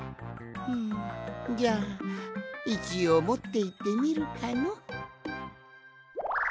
んじゃあいちおうもっていってみるかの。